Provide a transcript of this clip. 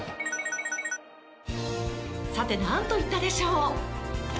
さてなんと言ったでしょう？